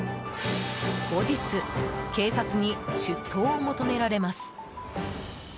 後日、警察に出頭を求められます。